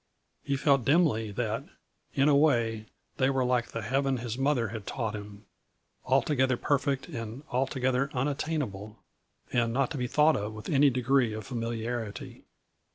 He felt dimly that, in a way, they were like the heaven his mother had taught him altogether perfect and altogether unattainable and not to be thought of with any degree of familiarity.